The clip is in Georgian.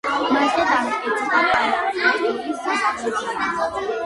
მასზე დამტკიცდა პარტიის პროგრამა.